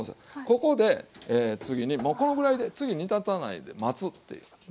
ここで次にもうこのぐらいで次煮立たないで待つっていうね。